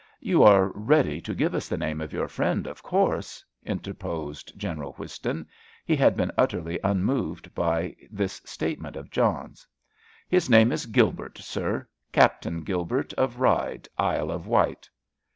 "You are ready to give us the name of your friend, of course?" interposed General Whiston. He had been utterly unmoved by this statement of John's. "His name is Gilbert, sir; Captain Gilbert, of Ryde, Isle of Wight."